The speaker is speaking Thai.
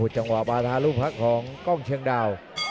จังหวะปาทาลูกพักของกล้องเชียงดาว